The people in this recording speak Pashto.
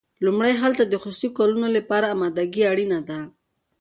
لومړی هلته د خصوصي کولو لپاره امادګي اړینه ده.